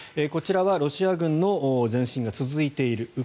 こちらはロシア軍の前進が続いている。